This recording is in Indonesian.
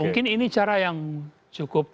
mungkin ini cara yang cukup